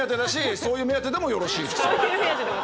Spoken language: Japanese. そういう目当てでも確かにいいですね。